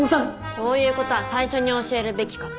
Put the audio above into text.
そういう事は最初に教えるべきかと。